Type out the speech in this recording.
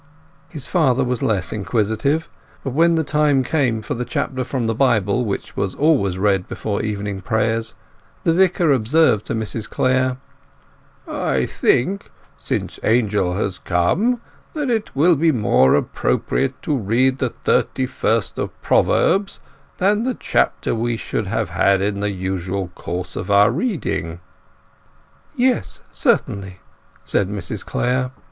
His father was less inquisitive; but when the time came for the chapter from the Bible which was always read before evening prayers, the Vicar observed to Mrs Clare— "I think, since Angel has come, that it will be more appropriate to read the thirty first of Proverbs than the chapter which we should have had in the usual course of our reading?" "Yes, certainly," said Mrs Clare.